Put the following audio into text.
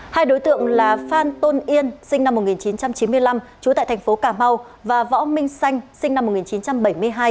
hai đối tượng là phan tôn yên sinh năm một nghìn chín trăm chín mươi năm trú tại thành phố cà mau và võ minh xanh sinh năm một nghìn chín trăm bảy mươi hai